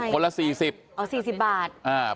ก็ใช่อ๋อ๔๐บาท